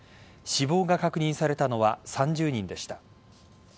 死亡が確認されたのは３０人でした。